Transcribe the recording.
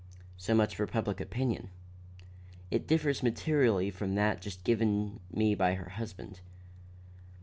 So much for public opinion. It differs materially from that just given me by her husband.